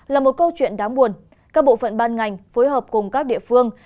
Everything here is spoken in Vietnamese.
là một câu chuyện đáng buồn các bộ phận ban ngành phối hợp cùng các địa phương